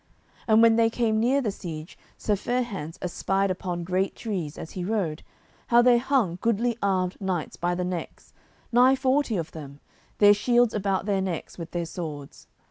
And when they came near the siege Sir Fair hands espied upon great trees, as he rode, how there hung goodly armed knights by the necks, nigh forty of them, their shields about their necks with their swords.